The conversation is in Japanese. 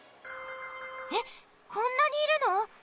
えっこんなにいるの？